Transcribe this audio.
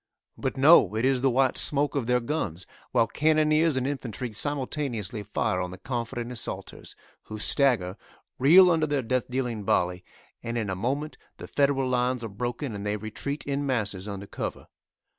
But no; it is the white smoke of their guns, while cannoneers and infantry simultaneously fire on the confident assaulters, who stagger, reel under their death dealing volley, and in a moment the Federal lines are broken and they retreat in masses under cover.